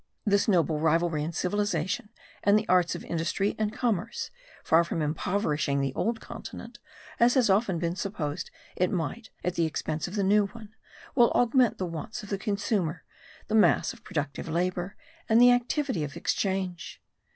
This noble rivalry in civilization and the arts of industry and commerce, far from impoverishing the old continent, as has often been supposed it might at the expense of the new one, will augment the wants of the consumer, the mass of productive labour, and the activity of exchange.